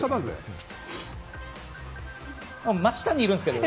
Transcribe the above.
真下にいるんですけどね。